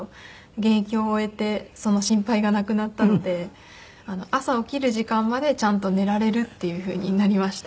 現役を終えてその心配がなくなったので朝起きる時間までちゃんと寝られるっていうふうになりました。